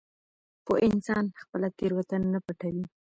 پوه انسان خپله تېروتنه نه پټوي.